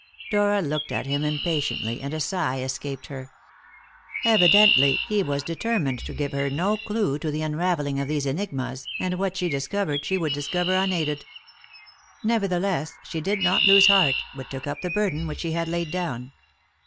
Dora looked at him impatiently, and a sigh escaped her. Evidently he was determined to give her no clue to the unravelling of these enigmas, and what she discovered she would discover unaided. Nevertheless, she did not lose heart, but took up the burden which he had laid down.